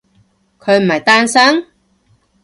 佢唔係單身？